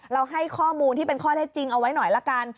ให้ข้อมูลที่เป็นข้อเท็จจริงเอาไว้หน่อยละกัน